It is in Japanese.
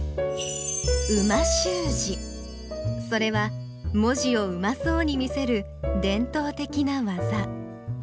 それは文字をうまそうに見せる伝統的な技。